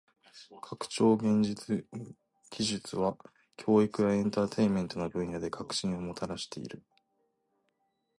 拡張現実技術は教育やエンターテインメントの分野で革新をもたらしている。